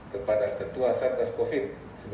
kepada ketua satgas covid sembilan belas